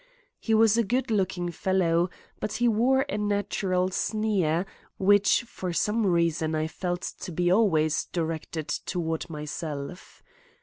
He was a good looking fellow, but he wore a natural sneer which for some reason I felt to be always directed toward myself.